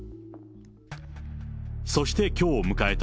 そしてきょう迎えた